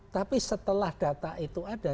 tapi setelah data itu ada